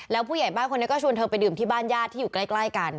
แล้วผู้ใหญ่บ้านคนนี้ก็ชวนเธอไปดื่มที่บ้านญาติที่อยู่ใกล้กัน